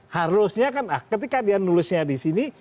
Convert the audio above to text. harusnya kan ketika dia nulisnya disini